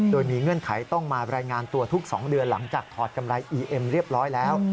โดยมีเงื่อนไขต้องมารายงานตัวทุก๒เดือนหลังจากถอดกำไรอีเอ็มเรียบร้อยแล้ว